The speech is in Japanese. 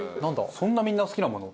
そんなみんな好きなもの？